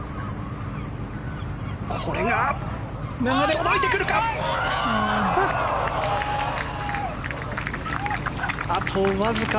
これが届いてくるか？